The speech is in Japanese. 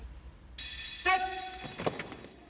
セット！